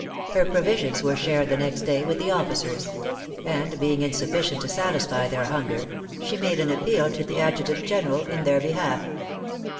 Her provisions were shared the next day with the officers; and being insufficient to satisfy their hunger, she made an appeal to the Adjutant General in their behalf.